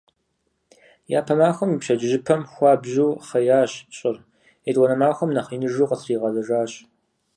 Япэ махуэм и пщэдджыжьыпэм хуабжьу хъеящ щӀыр, етӀуанэ махуэм нэхъ иныжу къытригъэзэжэщ.